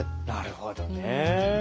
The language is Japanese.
なるほどね。